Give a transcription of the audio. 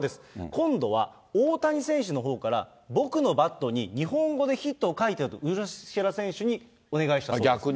今度は大谷選手のほうから、僕のバットに日本語でヒットを書いてよと、ウルシェラ選手にお願いしたんです。